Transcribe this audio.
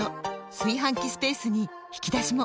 炊飯器スペースに引き出しも！